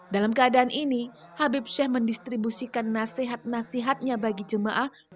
dalam keadaan ini habib syahibin abdul qadir as segaf mendistribusikan nasihat nasihatnya bagi jemaah